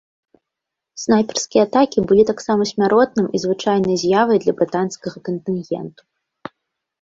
Снайперскія атакі былі таксама смяротным і звычайнай з'явай для брытанскага кантынгенту.